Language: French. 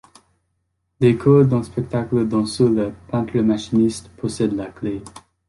Décors d’un spectacle dont seul le peintre - machiniste possède la clé.